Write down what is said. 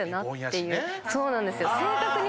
そうなんですよ。